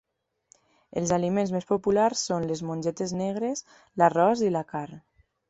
Els aliments més populars són les mongetes negres, l'arròs i la carn.